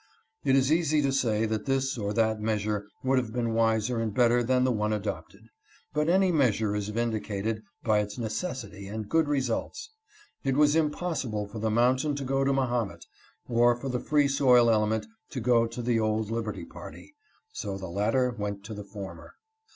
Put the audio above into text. It is easy to say that this or that measure would have been wiser and better than the one adopted. But any measure is vindicated by its necessity and good results. It was impossible for the mountain to go to Mahomet, or for the Free Soil element to go to the old Liberty party; so the latter went to the former.